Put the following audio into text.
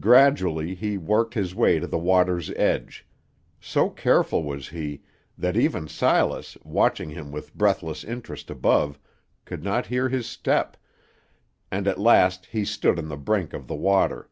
Gradually he worked his way to the water's edge; so careful was he, that even Silas, watching him with breathless interest above, could not hear his step, and at last he stood on the brink of the water.